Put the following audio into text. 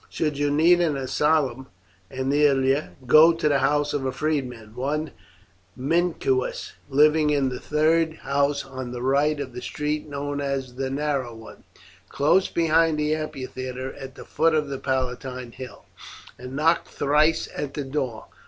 Should you need an asylum, Aemilia, go to the house of a freedman, one Mincius, living in the third house on the right of a street known as the Narrow one, close behind the amphitheatre at the foot of the Palatine Hill, and knock thrice at the door.